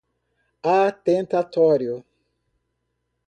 atentatório